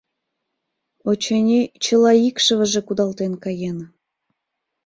— Очыни, чыла икшывыже кудалтен каен.